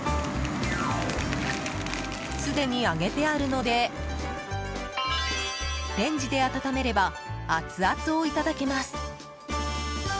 すでに揚げてあるのでレンジで温めればアツアツをいただけます。